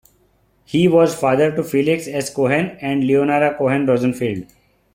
He was father to Felix S. Cohen and Leonora Cohen Rosenfield.